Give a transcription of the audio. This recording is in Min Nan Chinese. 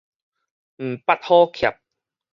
毋捌好㾀